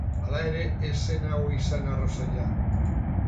Hala ere, ez zen hau izan arrazoia.